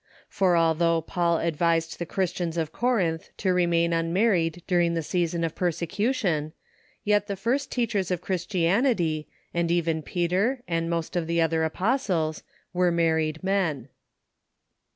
For although Paul advised the Christians of Corinth to remain unmarried during the season of persecution, yet the first teachers of Christianity, and even Peter and most of the other apostles, were married men.